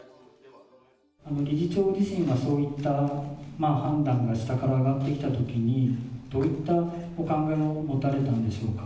理事長自身はそういった判断が下から上がってきたときに、どういったお考えを持たれたんでしょうか。